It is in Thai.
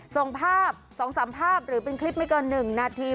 ส่งภาพ๒๓ภาพหรือเป็นคลิปไม่เกิน๑นาที